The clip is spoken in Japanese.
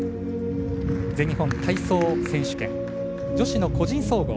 全日本体操選手権女子の個人総合。